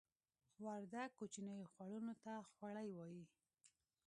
وردګ کوچنیو خوړونو ته خوړۍ وایې